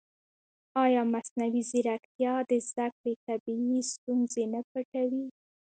ایا مصنوعي ځیرکتیا د زده کړې طبیعي ستونزې نه پټوي؟